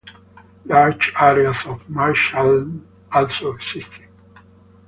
Large areas of marshland also existed.